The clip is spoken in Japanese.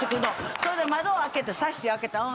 それで窓を開けてサッシ開けた。